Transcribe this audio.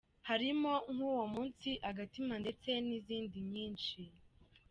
harimo nka Uwo Munsi, Agatima ndetse nizindi nyinshi .